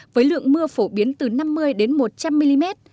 với lượng mưa phổ biến từ năm mươi đến một trăm linh mm